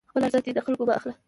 خپل ارزښت دې له خلکو مه اخله،